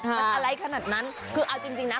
มันอะไรขนาดนั้นคือเอาจริงนะ